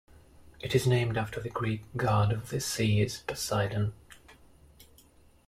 It is named after the Greek god of the seas, Poseidon.